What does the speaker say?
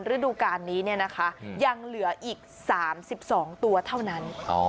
ฤดูการนี้ยังเหลืออีก๓๒ตัวเท่านั้น